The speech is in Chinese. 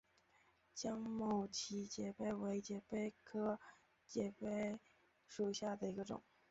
江某畸节蜱为节蜱科畸节蜱属下的一个种。